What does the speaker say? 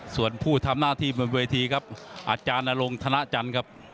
ส่วนผู้ทำหน้าที่บนเวทีครับอาจารย์นรงธนจันทร์ครับ